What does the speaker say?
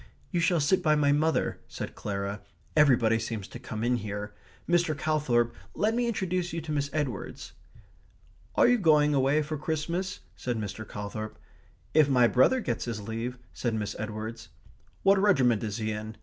"You shall sit by my mother," said Clara. "Everybody seems to come in here.... Mr. Calthorp, let me introduce you to Miss Edwards." "Are you going away for Christmas?" said Mr. Calthorp. "If my brother gets his leave," said Miss Edwards. "What regiment is he in?"